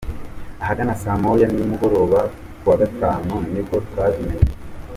Ahagana saa moya za nimugoroba kuwa Gatanu nibwo twabimenye.